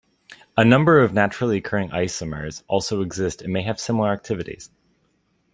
A number of naturally occurring isomers also exist and may have similar activities.